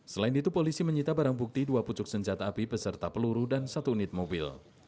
selain itu polisi menyita barang bukti dua pucuk senjata api beserta peluru dan satu unit mobil